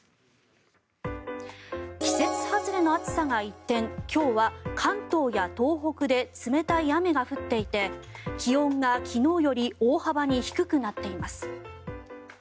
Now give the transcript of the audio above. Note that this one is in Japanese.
季節外れの暑さが一転今日は関東や東北で冷たい雨が降っていて気温が昨日より大幅に低くなっています。